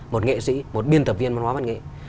một nghệ sĩ một biên tập viên văn hóa văn nghệ